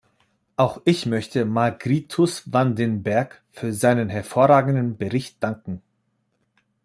Auch ich möchte Margrietus van den Berg für seinen hervorragenden Bericht danken.